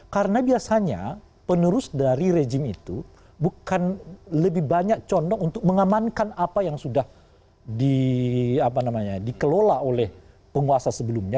karena biasanya penerus dari rejim itu bukan lebih banyak condong untuk mengamankan apa yang sudah dikelola oleh penguasa sebelumnya